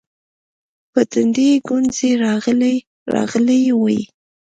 پر تندي يې گونځې راغلې وې.